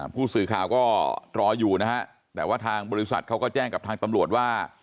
ผู้สื่อข่าวก็รออยู่นะฮะแต่ว่าทางบริษัทเขาก็แจ้งกับทางตำรวจว่า